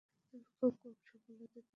তবে খুব কমই সফলতা পেয়েছিলেন।